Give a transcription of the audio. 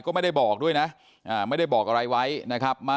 ก็ไม่ได้บอกด้วยนะไม่ได้บอกอะไรไว้นะครับ